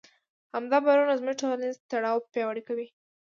همدا باورونه زموږ ټولنیز تړاو پیاوړی کوي.